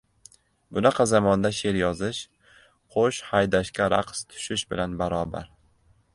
“Bunaqa zamonda she’r yozish — qo‘sh haydashga raqs tushish bilan barobar”.